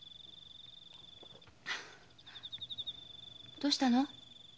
どうしたの？